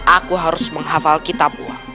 aku harus menghafal kitab